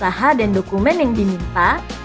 lalu lakukan dokumen yang diminta